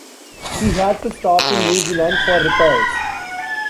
He had to stop in New Zealand for repairs.